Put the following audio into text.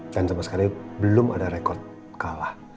dan sama sekali belum ada rekod kalah